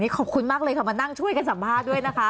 ขอบคุณมากเลยค่ะมานั่งช่วยกันสัมภาษณ์ด้วยนะคะ